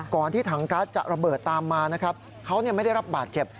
ก่อนที่ถังก๊าซจะระเบิดตามมาเขาไม่ได้รับบาตเจ็บ